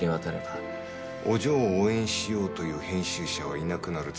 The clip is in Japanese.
お嬢を応援しようという編集者はいなくなる。